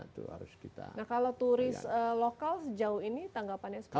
nah kalau turis lokal sejauh ini tanggapannya seperti apa